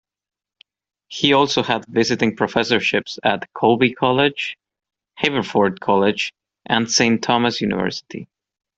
He also had visiting professorships at Colby College, Haverford College and Saint Thomas University.